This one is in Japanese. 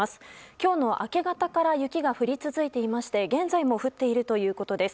今日の明け方から雪が降り続いていまして現在も降っているということです。